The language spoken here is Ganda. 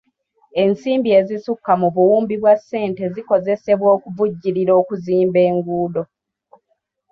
Ensimbi ezisukka mu buwumbi bwa ssente zikozesebwa okuvujjirira okuzimba enguudo.